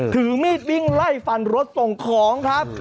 ถือมีดวิ่งไล่ฟันรถส่งของครับ